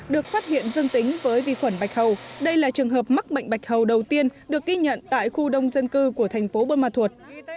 được phát hiện dương tính với vi khuẩn bạch hầu đây là trường hợp mắc bệnh bạch hầu đầu tiên được ghi nhận tại khu đông dân cư của thành phố buôn ma thuột